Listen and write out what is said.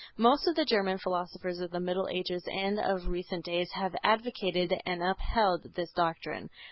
Most of the German philosophers of the middle ages and of recent days have advocated and upheld this doctrine.